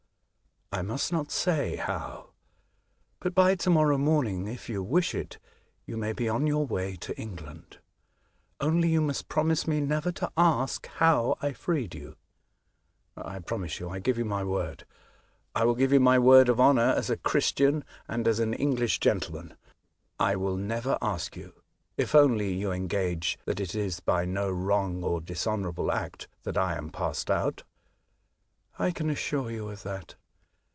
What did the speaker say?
" I must not say how. But by to morrow morning, if you wish it, you may be on your way to England. Only, you must promise me never to ask how I have freed you." " I promise you. I give you my word — I will give you my word of honour as a Christian, and as an English gentleman — I will never ask 16 A Voyage to Other Worlds, you, if only you engage that it is by no wrong or dishonourable act that I am passed out." '' I can assure you of that.